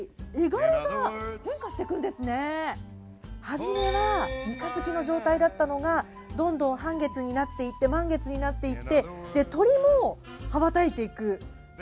はじめは三日月の状態だったのがどんどん半月になっていって、満月になっていって鳥も羽ばたいていく。